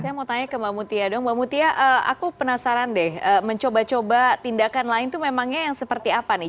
saya mau tanya ke mbak mutia dong mbak mutia aku penasaran deh mencoba coba tindakan lain itu memangnya yang seperti apa nih